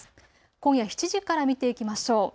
今夜７時から見ていきましょう。